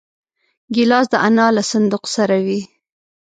ګیلاس د انا له صندوق سره وي.